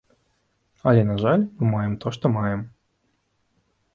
Але, на жаль, мы маем тое, што маем.